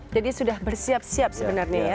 jadi sudah bersiap siap sebenarnya ya